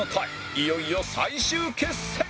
いよいよ最終決戦